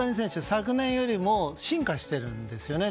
昨年よりも進化しているんですね。